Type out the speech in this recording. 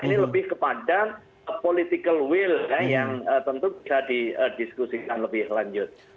ini lebih kepada political will yang tentu bisa didiskusikan lebih lanjut